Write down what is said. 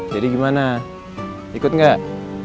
jadi gimana ikut gak